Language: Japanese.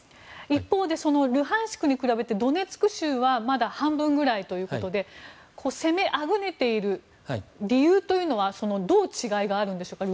一方でルハンシクに比べてドネツク州は半分ぐらいということで攻めあぐねている理由というのはどう違いがあるんでしょうか。